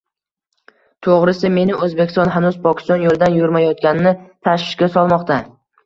To‘g‘risi, meni O‘zbekiston hanuz Pokiston yo‘lidan yurmayotgani tashvishga solmoqda.